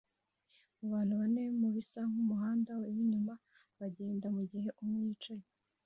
abantu bane mubisa nkumuhanda winyuma bagenda mugihe umwe yicaye